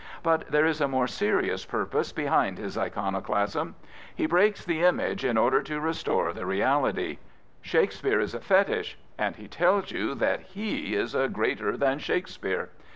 But there is a more serious purpose behind his iconoclasm. He breaks the image in order to restore the reality, Shakespeare is a fetish, and he tells you he is a greater fhan Shakespeare.